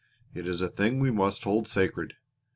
It is a thing we must hold sacred.